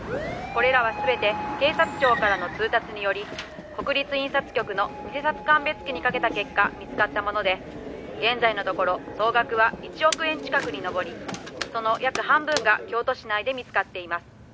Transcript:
「これらは全て警察庁からの通達により国立印刷局の偽札鑑別機にかけた結果見つかったもので現在のところ総額は１億円近くにのぼりその約半分が京都市内で見つかっています」